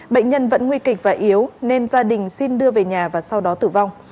bệnh nhân vẫn nguy kịch và yếu nên gia đình xin đưa về nhà và sau đó tử vong